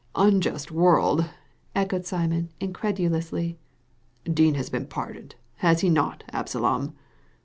"Unjust world!" echoed Simon, incredulously. ''Dean has been pardoned, has he not, Absalom